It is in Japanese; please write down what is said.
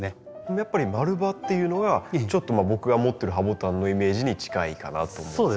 やっぱり丸葉っていうのがちょっと僕が持ってるハボタンのイメージに近いかなと思うんですね。